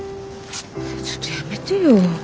ちょっとやめてよ。